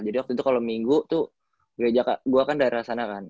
jadi waktu itu kalo minggu tuh gue kan daerah sana kan